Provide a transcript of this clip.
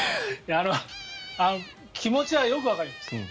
気持ちはよくわかります。